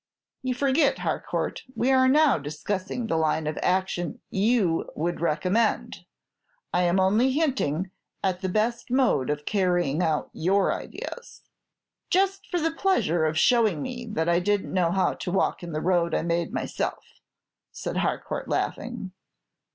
"You forget, Harcourt, we are now discussing the line of action you would recommend; I am only hinting at the best mode of carrying out your ideas." "Just for the pleasure of showing me that I did n't know how to walk in the road I made myself," said Harcourt, laughing.